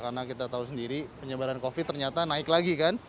karena kita tahu sendiri penyebaran covid ternyata naik lagi kan